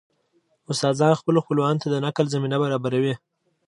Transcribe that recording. استادان خپلو خپلوانو ته د نقل زمينه برابروي